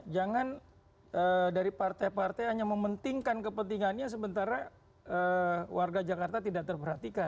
jangan dari partai partai hanya mementingkan kepentingannya sementara warga jakarta tidak terperhatikan